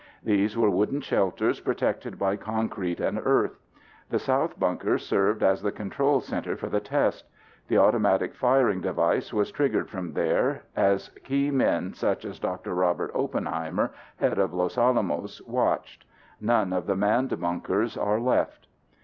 These were wooden shelters protected by concrete and earth. The south bunker served as the control center for the test. The automatic firing device was triggered from there as key men such as Dr. Robert Oppenheimer, head of Los Alamos, watched. None of the manned bunkers are left.